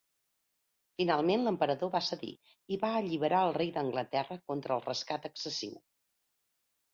Finalment l'emperador va cedir i va alliberar al rei d'Anglaterra contra el rescat excessiu.